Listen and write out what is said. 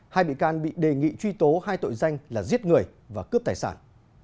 hai bị can bị đề nghị truy tố hai tội danh là giết người và cướp tài sản